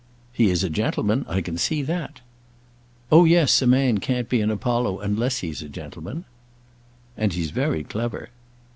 "He is a gentleman; I can see that." "Oh, yes; a man can't be an Apollo unless he's a gentleman." "And he's very clever."